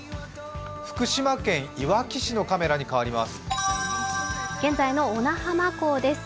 福島県いわき市のカメラに変わります。